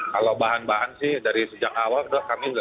kalau bahan bahan sih dari sejak awal kami sudah siap